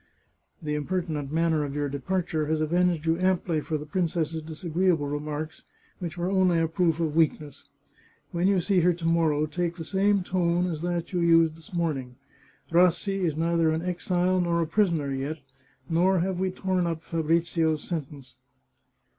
" The impertinent manner of your departure has avenged you amply for the princess's disagreeable remarks, which were only a proof of weakness. When you see her to morrow, take the same tone as that you used this morning. Rassi is neither an exile nor a prisoner yet, nor have we torn up Fabrizio's sentence.